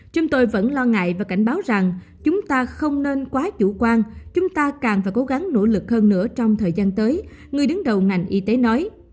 chúng tôi vẫn lo ngại và cảnh báo rằng chúng ta không nên quá chủ quan chúng ta càng và cố gắng nỗ lực hơn nữa trong thời gian tới người đứng đầu ngành y tế nói